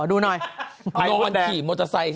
อีบิโรวันสกี่มอเตอร์ไซค์